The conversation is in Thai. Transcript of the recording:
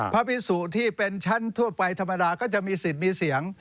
พระพิสุที่เป็นชั้นทั่วไปธรรมดาก็จะมีสิทธิ์มีเสียง